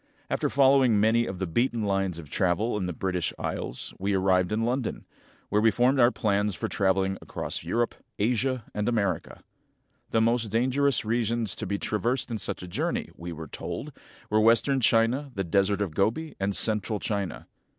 After following many of the beaten lines of travel in the British Isles we arrived in London, where we formed our plans for traveling across Europe, Asia, and America. The most dangerous regions to be traversed in such a journey, we were told, were western China, the Desert of Gobi, and central China.